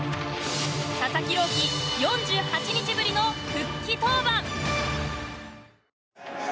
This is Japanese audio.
佐々木朗希４８日ぶりの復帰登板！